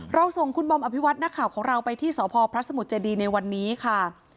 ส่งคุณบอมอภิวัตินักข่าวของเราไปที่สพพระสมุทรเจดีในวันนี้ค่ะ